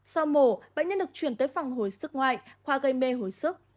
sau mổ bệnh nhân được chuyển tới phòng hồi sức ngoại khoa gây mê hồi sức